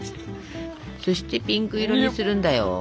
そしてピンク色にするんだよ。